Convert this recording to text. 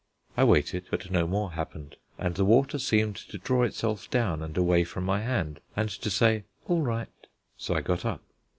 I waited, but no more happened, and the water seemed to draw itself down and away from my hand, and to say "All right." So I got up.